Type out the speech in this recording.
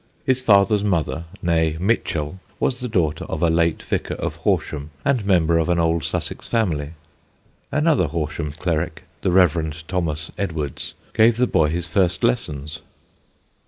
His father's mother, née Michell, was the daughter of a late vicar of Horsham and member of an old Sussex family; another Horsham cleric, the Rev. Thomas Edwards, gave the boy his first lessons.